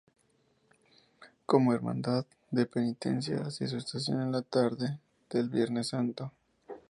Como hermandad de penitencia, hacía su estación en la tarde del Viernes Santo.